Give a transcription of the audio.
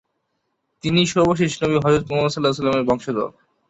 তিনি সর্বশেষ নবী হযরত মোহাম্মদ -এর বংশধর।